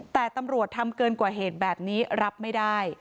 แต่ตำรวจทำเกินกว่าเหตุแบบนี้รับไม่ได้